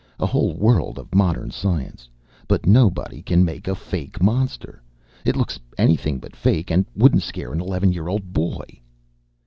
A whole world of modern science but nobody can make a fake monster. It looks anything but fake and wouldn't scare an eleven year old boy."